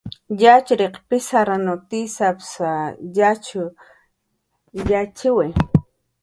Yatxchiriq pizarranw tizn yatx yatxchiwi